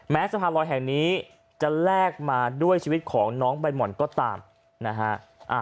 สะพานลอยแห่งนี้จะแลกมาด้วยชีวิตของน้องใบหม่อนก็ตามนะฮะ